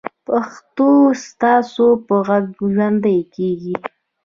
پښتو ستاسو په غږ ژوندۍ کېږي.